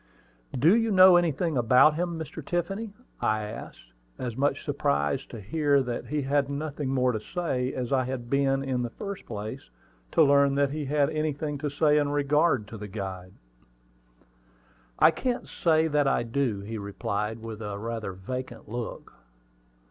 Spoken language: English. "Do you know anything about him, Mr. Tiffany?" I asked, as much surprised to hear that he had nothing more to say as I had been, in the first place, to learn that he had anything to say in regard to the guide. "I can't say that I do," he replied, with a rather vacant look.